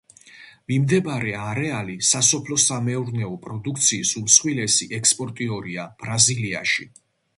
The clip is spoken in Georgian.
მიმდებარე არეალი სასოფლო-სამეურნეო პროდუქციის უმსხვილესი ექსპორტიორია ბრაზილიაში.